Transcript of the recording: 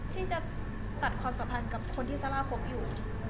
ที่จะตัดความสัมพันธ์กับคนที่ซาร่าคบอยู่